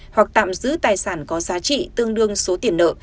hoặc tạm giữ tài sản có giá trị tương đương số tiền nợ